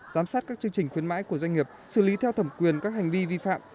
giám sát các chương trình khuyến mãi của doanh nghiệp xử lý theo thẩm quyền các hành vi vi phạm